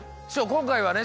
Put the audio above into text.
今回はね